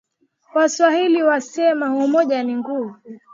waswahili wanasema umoja ni nguvu